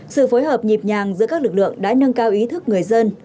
sự phối hợp nhịp nhàng giữa các lực lượng đã nâng cao ý thức người dân